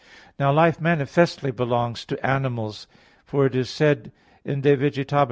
Now life manifestly belongs to animals, for it said in _De Vegetab.